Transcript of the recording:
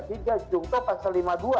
juga juga pasal lima puluh dua